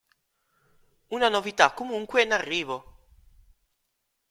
Una novità comunque è in arrivo.